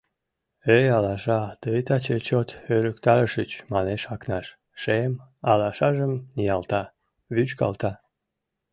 — Эй, алаша, тый таче чот ӧрыктарышыч, — манеш Акнаш, шем алашажым ниялта, вӱчкалта.